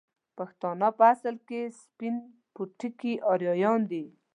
پښتانه په اصل کې سپين پوټکي اريايان دي